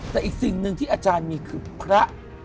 แต่อีกสิ่งหนึ่งที่อาจารย์มีคือพระ